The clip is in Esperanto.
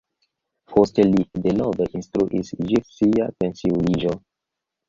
Poste li denove instruis ĝis sia pensiuliĝo.